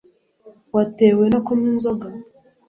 watewe no kunywa inzoga